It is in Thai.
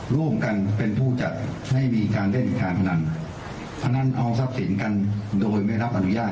ร่วมกันเป็นผู้จัดให้มีการเล่นการพนันพนันเอาทรัพย์สินกันโดยไม่รับอนุญาต